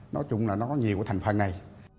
nói chung là nó có nhiều cái thành phần này